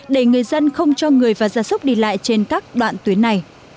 để người dân không cho người và gia súc đi lại trên các đoạn tuyến này